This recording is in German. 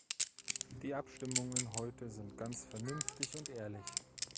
Die Abstimmungen heute sind ganz vernünftig und ehrlich.